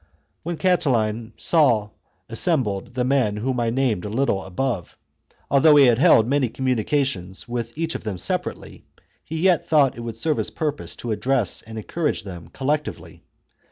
CHAP. When Catiline saw assembled the men whom I XX. named a little above, although he had held many com munications with each of them separately, he yet thought it would serve his purpose to address and encourage them collectively.